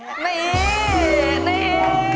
นี่นี่นี่